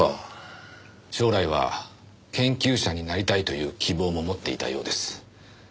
将来は研究者になりたいという希望も持っていたようです。